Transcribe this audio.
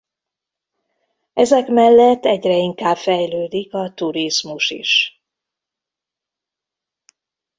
Ezek mellett egyre inkább fejlődik a turizmus is.